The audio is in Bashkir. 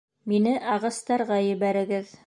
Мине ағастарға ебәрегеҙ.